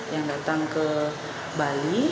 yang datang ke bali